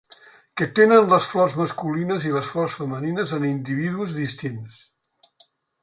Que tenen les flors masculines i les flors femenines en individus distints.